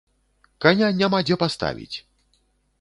Каня няма дзе паставіць!